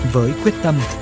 với quyết tâm